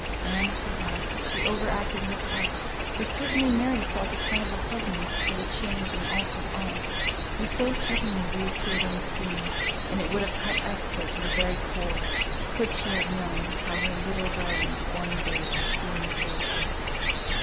And, perhaps, she overacted her part, for certainly Mary felt a kind of repugnance to the changed and altered aunt, who so suddenly re appeared on the scene; and it would have cut Esther to the very core, could she have known how her little darling of former days was feeling towards her.